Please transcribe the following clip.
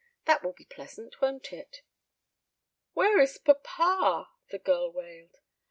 That will be pleasant, won't it?" "Where is papa?" the girl wailed.